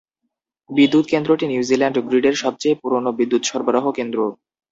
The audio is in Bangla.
বিদ্যুৎ কেন্দ্রটি নিউজিল্যান্ড গ্রিডের সবচেয়ে পুরনো বিদ্যুৎ সরবরাহ কেন্দ্র।